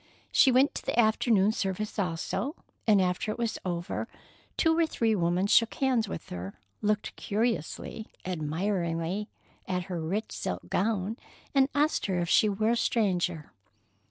She went to the afternoon service also, and after it was over two or three women shook hands with her, looked curiously, admiringly at her rich silk gown, and asked her if she were a stranger.